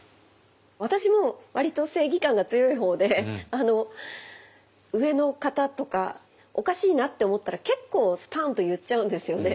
私も割と正義感が強い方で上の方とかおかしいなって思ったら結構スパンと言っちゃうんですよね。